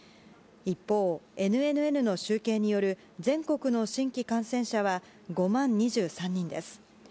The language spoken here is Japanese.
一方、ＮＮＮの集計による全国の新規感染者は５万２３人です。